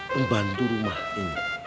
pembantu rumah ini